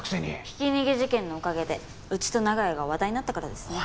ひき逃げ事件のおかげでうちと長屋が話題になったからですね。